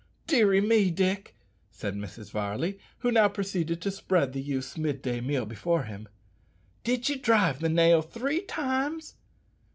"Deary me, Dick!" said Mrs. Varley, who now proceeded to spread the youth's mid day meal before him, "did ye drive the nail three times?"